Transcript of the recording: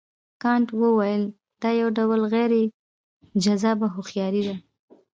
کانت وویل دا یو ډول غیر جذابه هوښیاري ده.